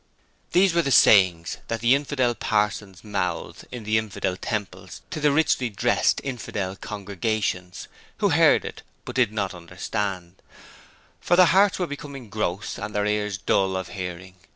"' These were the sayings that the infidel parsons mouthed in the infidel temples to the richly dressed infidel congregations, who heard but did not understand, for their hearts were become gross and their ears dull of hearing.